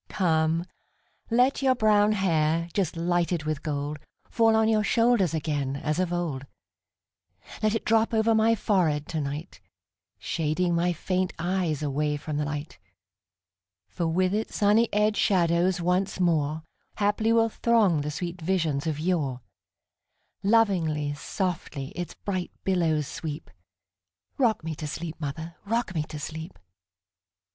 Come, let your brown hair, just lighted with gold, Fall on your shoulders again as of old; Let it drop over my forehead to night, Shading my faint eyes away from the light; For with its sunny edged shadows once moreHaply will throng the sweet visions of yore; Lovingly, softly, its bright billows sweep;—Rock me to sleep, mother,—rock me to sleep!